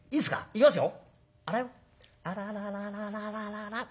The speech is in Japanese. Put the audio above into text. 行きますよ？